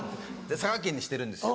佐賀県にしてるんですよ。